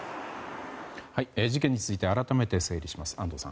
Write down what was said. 事件について改めて整理します。